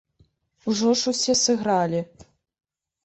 Ужо ж усё сыгралі!